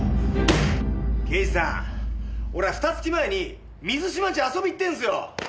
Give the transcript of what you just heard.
刑事さん俺は二月前に水嶋ん家遊び行ってんすよ！